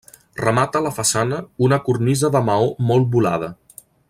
Remata la façana una cornisa de maó molt volada.